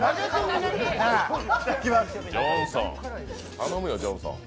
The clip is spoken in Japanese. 頼むよ「ジョンソン」。